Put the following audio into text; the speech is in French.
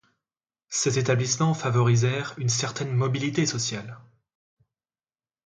Ces établissements favorisèrent une certaine mobilité sociale.